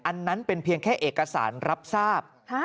อันนั้นเป็นเพียงแค่เอกสารรับทราบ